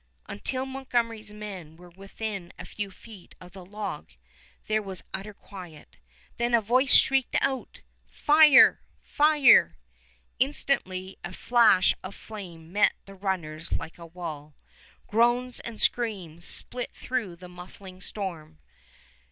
Until Montgomery's men were within a few feet of the log, there was utter quiet; then a voice shrieked out, "Fire! fire!" Instantly a flash of flame met the runners like a wall. Groans and screams split through the muffling storm.